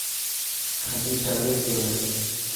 کميس ٽنگيو پيو هي.